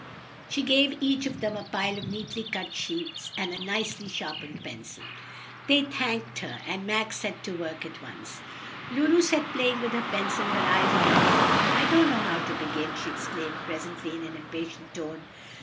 She gave each of them a pile of neatly cut sheets and a nicely sharpened pencil. They thanked her, and Max set to work at once. Lulu sat playing with her pencil, her eyes on the carpet. "I don't know how to begin!" she exclaimed presently in an impatient tone.